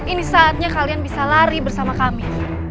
ini saatnya kalian bisa lari bersama kami